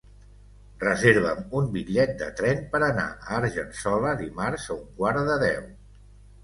Reserva'm un bitllet de tren per anar a Argençola dimarts a un quart de deu.